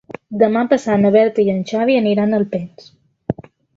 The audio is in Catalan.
Demà passat na Berta i en Xavi aniran a Alpens.